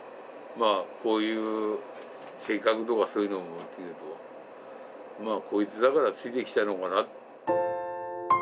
まあ、こういう性格とか、そういうのを見ると、まあ、こいつだから、ついてきたのかな。